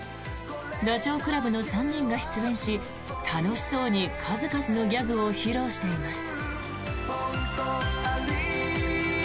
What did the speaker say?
ダチョウ倶楽部の３人が出演し楽しそうに数々のギャグを披露しています。